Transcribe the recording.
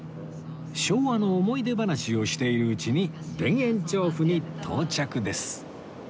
昭和の思い出話をしているうちに田園調布に到着です